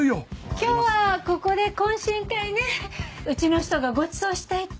今日はここで懇親会ねうちの人がごちそうしたいって。